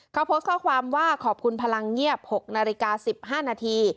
เขาโพสต์ข้อความว่าขอบคุณพลังเงียบ๖นาฬิกา๑๕นาที